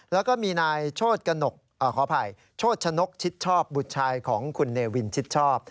แล้วก็มีนายขออภัยโชชนกชิดชอบบุตรชายของคุณเนวินชิดชอบ